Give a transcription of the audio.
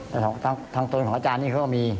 ทางส่วนของอาจารย์นี่เขาก็มี